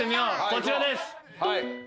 こちらです。